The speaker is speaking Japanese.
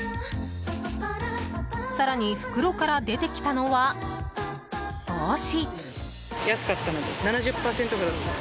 更に袋から出てきたのは、帽子。